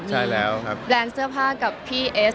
มีแบรนด์เสื้อผ้ากับพี่เอส